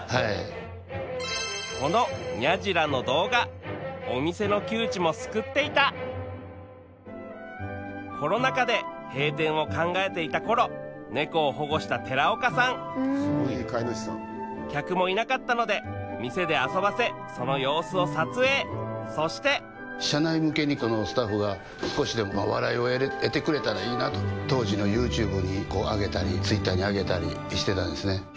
このニャジラの動画お店の窮地も救っていたコロナ禍で閉店を考えていた頃ネコを保護した寺岡さん客もいなかったので店で遊ばせその様子を撮影そして社内向けにスタッフが少しでも笑いを得てくれたらいいなと当時のＹｏｕＴｕｂｅにあげたりＴｗｉｔｔｅｒにあげたりしてたんです。